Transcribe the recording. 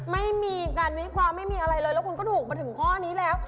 ไม่มีการวิเคราะห์ไม่มีอะไรเลยแล้วคุณก็ถูกมาถึงข้อนี้แล้ว